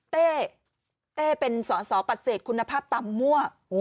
เต้เป็นสอนปัจเศษคุณภาพต่ำมั่ว